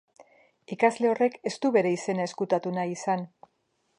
Ikasle horrek ez du bere izena ezkutatu nahi izan.